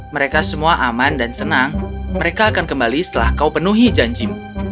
mereka semua aman dan senang mereka akan kembali setelah kau penuhi janjimu